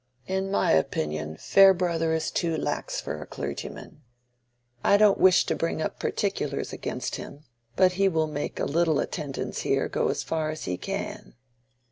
In my opinion Farebrother is too lax for a clergyman. I don't wish to bring up particulars against him; but he will make a little attendance here go as far as he can."